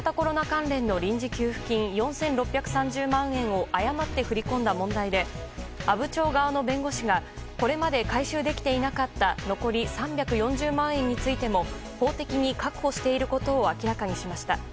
関連の臨時給付金４６３０万円を誤って振り込んだ問題で阿武町側の弁護士がこれまで回収できていなかった残り３４０万円についても法的に確保していることを明らかにしました。